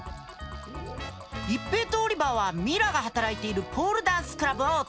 一平とオリバーはミラが働いているポールダンスクラブを訪れる。